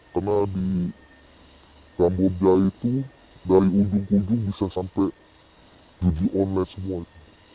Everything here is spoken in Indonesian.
karena di kamboja itu dari ujung ujung bisa sampai judi online semua itu